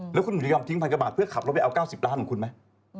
แล้วคุณถึงยอมทิ้งพันกบาทเพื่อขับรถไปเอา๙๐ล้านของคุณไหม